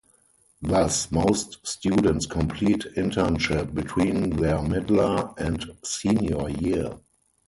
Thus, most students complete internship between their middler and senior year.